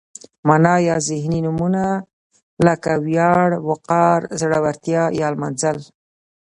معنا یا ذهني نومونه لکه ویاړ، وقار، زړورتیا یا نمانځل.